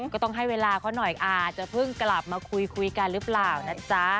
ก็ต้องให้เวลาเขาหน่อยอาจจะเพิ่งกลับมาคุยกันหรือเปล่านะจ๊ะ